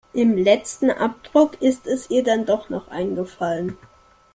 Im letzen Abdruck ist es ihr dann doch noch eingefallen.